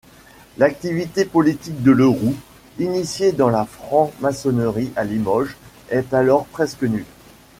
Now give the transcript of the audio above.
L'activité politique de Leroux, initié dans la franc-maçonnerie à Limoges, est alors presque nulle.